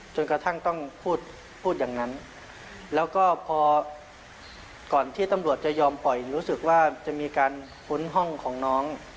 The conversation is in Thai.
จนกระทั่งต้องพูดพูดอย่างนั้นแล้วก็พอก่อนที่ตำรวจจะยอมปล่อยรู้สึกว่าจะมีการค้นห้องของน้อง